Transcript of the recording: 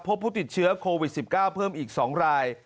พบผู้ติดเชื้อโควิด๑๙เพิ่มอีก๒ราย